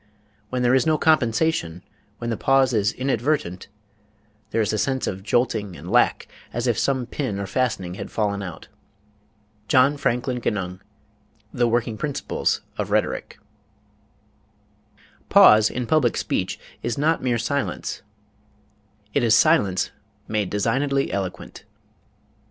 When there is no compensation, when the pause is inadvertent ... there is a sense of jolting and lack, as if some pin or fastening had fallen out. JOHN FRANKLIN GENUNG, The Working Principles of Rhetoric. Pause, in public speech, is not mere silence it is silence made designedly eloquent.